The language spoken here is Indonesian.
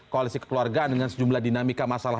koalisi kekeluargaan dengan sejumlah dinamika masalah